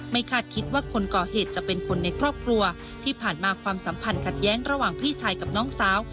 คาดคิดว่าคนก่อเหตุจะเป็นคนในครอบครัวที่ผ่านมาความสัมพันธ์ขัดแย้งระหว่างพี่ชายกับน้องสาว